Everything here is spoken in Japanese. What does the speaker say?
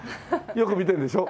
よく見てるでしょ。